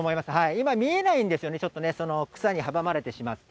今、見えないんですよね、ちょっとね、その草に阻まれてしまって。